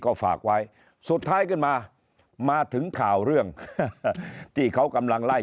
ก็ฝากไว้สุดท้ายขึ้นมามาถึงข่าวเรื่องที่เขากำลังไล่